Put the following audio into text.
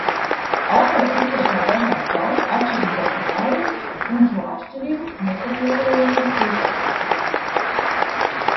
Autore iztirzā dažādu tautu atšķirīgās reālijas un šo atšķirību nesavietojamību tulkošanā.